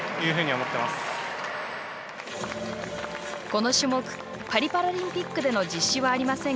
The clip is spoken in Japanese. この種目パリパラリンピックでの実施はありませんが